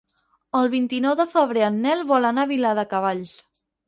El vint-i-nou de febrer en Nel vol anar a Viladecavalls.